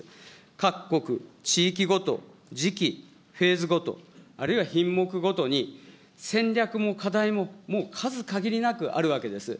各国、地域ごと、時期、フェーズごと、あるいは品目ごとに、戦略も課題も、もう数限りなくあるわけです。